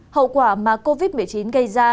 hậu quả mà covid một mươi chín gây ra